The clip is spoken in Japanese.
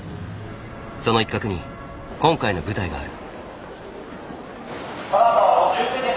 その一角に今回の舞台がある。